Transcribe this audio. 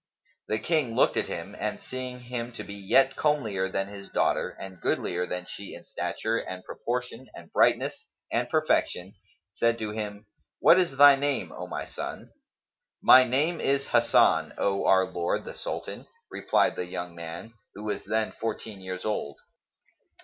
The King looked at him and seeing him to be yet comelier than his daughter and goodlier than she in stature and proportion and brightness and perfection, said to him, "What is thy name, O my son?" "My name is Hasan, O our lord the Sultan," replied the young man, who was then fourteen years old.